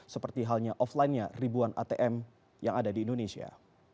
seperti halnya offline nya ribuan atm yang ada di indonesia